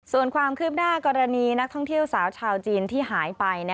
ส่วนความคืบหน้ากรณีนักท่องเที่ยวสาวชาวจีนที่หายไป